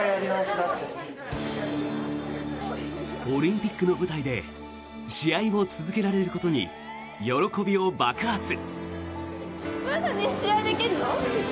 オリンピックの舞台で試合を続けられることに喜びを爆発。